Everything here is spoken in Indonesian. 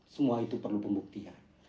semua itu perlu pembuktian